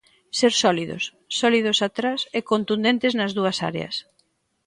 Ser sólidos, sólidos atrás e contundentes nas dúas áreas.